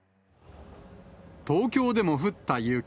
東京でも降った雪。